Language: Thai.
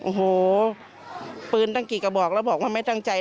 โอ้โหปืนตั้งกี่กระบอกแล้วบอกว่าไม่ตั้งใจ